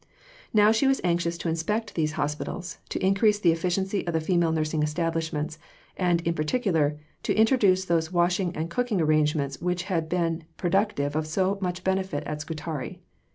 She was now anxious to inspect these hospitals; to increase the efficiency of the female nursing establishments; and, in particular, to introduce those washing and cooking arrangements which had been productive of so much benefit at Scutari.